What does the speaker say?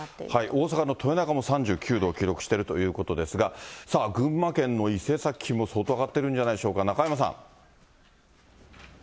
大阪の豊中も３９度を記録してるということですが、さあ、群馬県の伊勢崎も相当上がってるんじゃないでしょうか、中山さん。